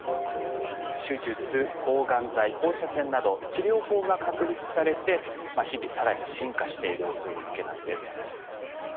手術抗がん剤放射線など治療法が確立されて日々更に進化しているというわけなんです。